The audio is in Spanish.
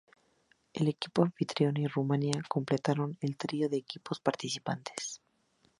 El equipo anfitrión y Rumania completaron el trío de equipos participantes.